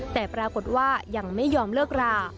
แต่ปรากฏว่ายังไม่ยอมเลิกรา